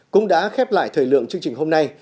cũng đã khép lại thời lượng chương trình hôm nay